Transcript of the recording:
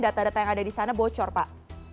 data data yang ada di sana bocor pak